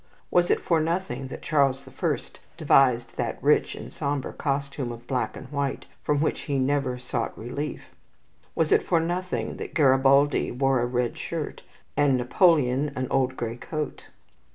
Was it for nothing that Charles the First devised that rich and sombre costume of black and white from which he never sought relief? Was it for nothing that Garibaldi wore a red shirt, and Napoleon an old grey coat?